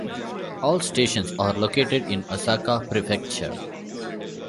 All stations are located in Osaka Prefecture.